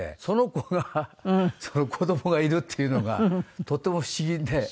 その子が子供がいるっていうのがとっても不思議で。